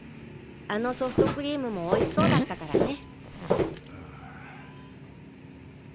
あのソフトクリームもおいしそうだったからね。